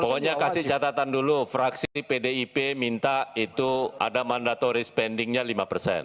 pokoknya kasih catatan dulu fraksi pdip minta itu ada mandatory spendingnya lima persen